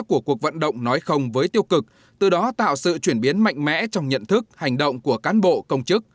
của cuộc vận động nói không với tiêu cực từ đó tạo sự chuyển biến mạnh mẽ trong nhận thức hành động của cán bộ công chức